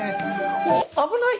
おっ危ない！